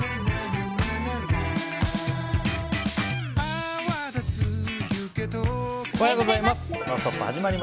おはようございます。